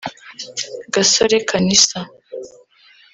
Gasore Kanisa